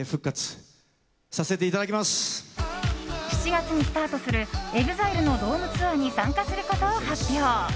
７月にスタートするＥＸＩＬＥのドームツアーに参加することを発表。